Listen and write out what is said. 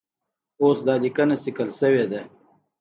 اوس دا لیکنه صیقل شوې ده.